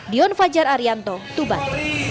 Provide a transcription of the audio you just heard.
dion fajar arianto tuban